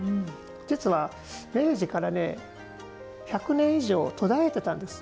実は、明治から１００年以上途絶えていたんです。